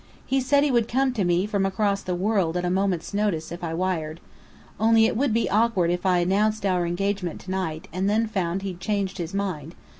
"He said he would come to me from across the world, at a moment's notice, if I wired. Only it would be awkward if I announced our engagement to night, and then found he'd changed his mind.